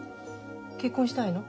結婚したいの？